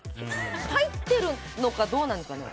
入ってるのかどうなんですかね？